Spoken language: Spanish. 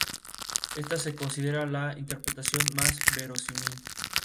Esta se considera la interpretación más verosímil.